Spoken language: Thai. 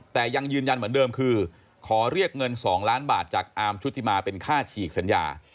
แต่ยังยืนยันเหมือนเดิมคือขอเรียกเงิน๒ล้านบาทจากอาร์มชุธิมาเป็นค่าฉีกสัญญา